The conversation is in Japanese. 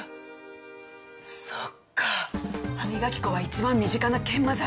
そうか歯磨き粉は一番身近な研磨剤。